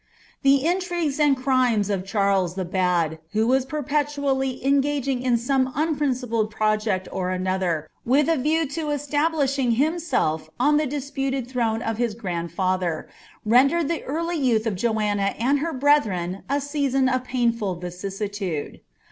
The intrigues and crimes of Charles the Bad, who was perpetually engaging in some unprincipled project or other, with a view to esta blishing himself on the disputed throne of his grandfather,' rendered the early youth of Joanna and her brethren a season of painful vicissi tode.